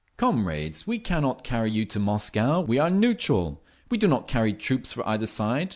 "Comrades, we cannot carry you to Moscow. We are neutral. We do not carry troops for either side.